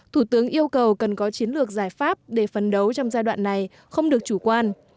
thủ tướng yêu cầu cần có chiến lược giải pháp để phấn đấu trong giai đoạn này không được chủ quan